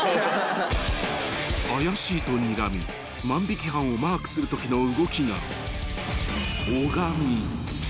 ［怪しいとにらみ万引犯をマークするときの動きがオガミ］